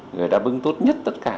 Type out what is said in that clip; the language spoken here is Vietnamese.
người đã bưng tốt nhất tất cả